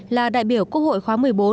là đại biểu quốc hội khóa một mươi bốn